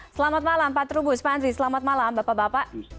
selamat malam pak trubus pak andri selamat malam bapak bapak